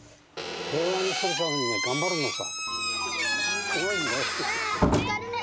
平和にするためにね頑張るのさ。